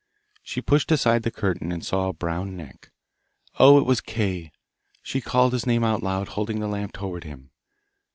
She pushed aside the curtain, and saw a brown neck. Oh, it was Kay! She called his name out loud, holding the lamp towards him.